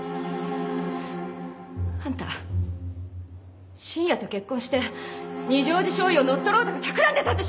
あんた信也と結婚して二条路醤油を乗っ取ろうとかたくらんでたんでしょ！